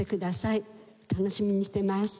楽しみにしてます。